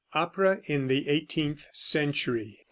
OPERA IN THE EIGHTEENTH CENTURY.